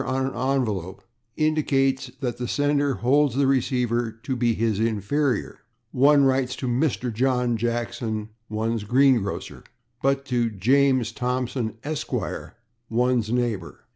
on an envelope, indicates that the sender holds the receiver to be his inferior; one writes to /Mr./ John Jackson, one's green grocer, but to James Thompson, /Esq./, one's neighbor.